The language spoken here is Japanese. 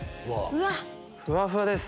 ふわふわです！